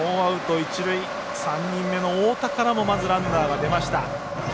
３人目の太田からもまずランナーが出ました。